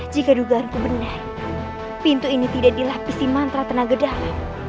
jika dugaanku benda pintu ini tidak dilapisi mantra tenaga dalam